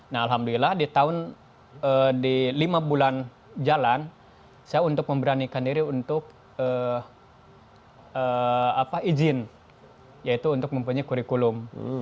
nah alhamdulillah di tahun lima bulan jalan saya untuk memberanikan diri untuk izin yaitu untuk mempunyai kurikulum